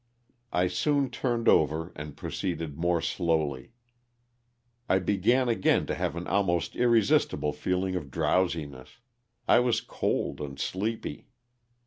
I soon turned over and proceeded more slowly. I began 54 LOSS OF THE SULTANA. again to have an almost irresistible feeling of drowsi ness. I was cold and sleepy.